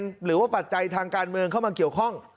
มีประเด็นหรือว่าปัจจัยทางการเมืองเข้ามาเกี่ยวข้อง